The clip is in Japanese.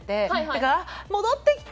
だからあっ戻ってきた！